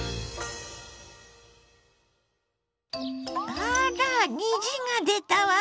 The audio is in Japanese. あら虹が出たわ！